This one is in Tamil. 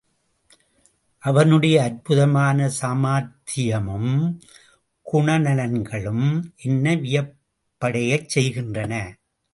அவனுடைய அற்புதமான சாமர்த்தியமும் குணநலன்களும் என்னை வியப்படையச் செய்கின்றன.